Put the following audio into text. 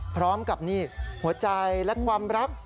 พร้อมกับนี่หัวใจและความรัก